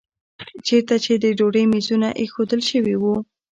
چېرته چې د ډوډۍ میزونه ایښودل شوي وو.